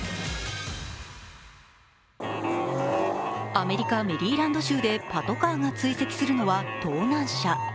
アメリカ・メリーランド州でパトカーが追跡するのは盗難車。